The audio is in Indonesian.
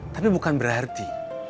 tapi bukan berarti